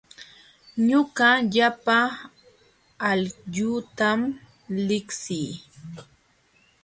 Ñuqa llapa aylluutam liqsii.